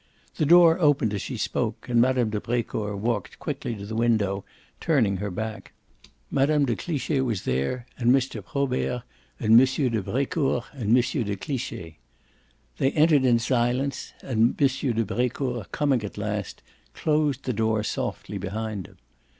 The door opened as she spoke and Mme. de Brecourt walked quickly to the window, turning her back. Mme. de Cliche was there and Mr. Probert and M. de Brecourt and M. de Cliche. They entered in silence and M. de Brecourt, coming last, closed the door softly behind him.